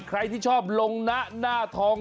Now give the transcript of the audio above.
ใครที่ชอบลงนะหน้าทอง